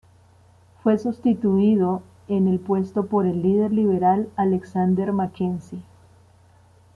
Fue sustituido en el puesto por el líder liberal Alexander Mackenzie.